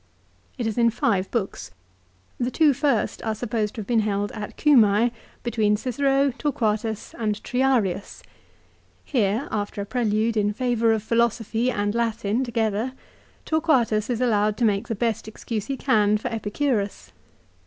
It is in five books. The two first are supposed to have been held at Cumae between Cicero, Torquatus, and Triarius. Here, after a prelude in favour of philosophy and Latin together, Tor quatus is allowed to make the best excuse he can for Epicurus.